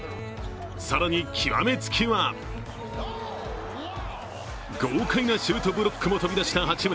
更に極めつきは豪快なシュートブロックも飛び出した八村。